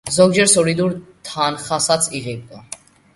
ზოგჯერ სოლიდურ თანხასაც იღებდა.